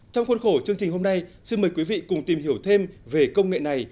trong khuôn khổ chương trình hôm nay xin mời quý vị cùng tìm hiểu thêm về công nghệ này